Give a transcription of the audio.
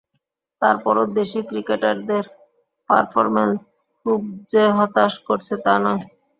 তারপরও দেশি ক্রিকেটারদের পারফরম্যান্স খুব যে হতাশ করছে, তা নয়।